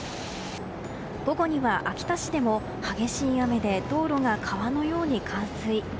午後には、秋田市でも激しい雨で道路が川のように冠水。